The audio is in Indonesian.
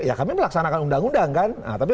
ya kami melaksanakan undang undang kan tapi